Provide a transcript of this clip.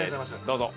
どうぞ。